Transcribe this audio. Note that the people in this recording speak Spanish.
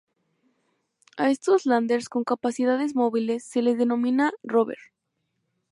A estos landers con capacidades móviles, se les denomina "rover".